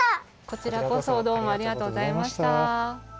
こちらこそどうもありがとうございました。